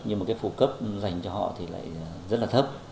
nhưng mà cái phụ cấp dành cho họ thì lại rất là thấp